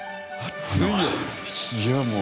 いやもう。